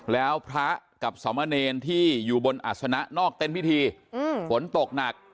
แล้วพระกับสมเนรที่อยู่บนอัศนะนอกเต้นพิธีฝนตกหนัก